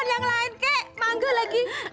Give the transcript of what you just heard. lu ambil manga kita masukin